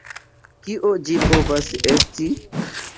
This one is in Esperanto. Kio ĝi povas esti?